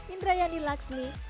indrayani laksmi jakarta